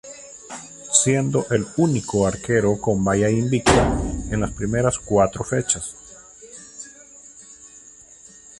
Siendo el único arquero con valla invicta en las primeras cuatro fechas.